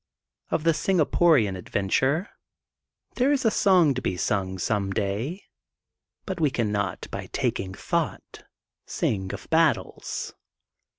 Of the Singapore adventure, there is a song to be sung, some day, but we cannot, by tak ing thought, sing of battles.